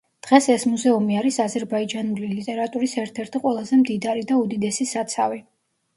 დღეს ეს მუზეუმი არის აზერბაიჯანული ლიტერატურის ერთ-ერთი ყველაზე მდიდარი და უდიდესი საცავი.